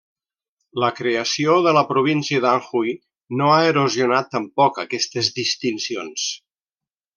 La creació de la província d'Anhui no ha erosionat tampoc aquestes distincions.